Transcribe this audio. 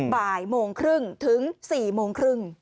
บ่ายโมงครึ่งถึง๔โมงครึ่ง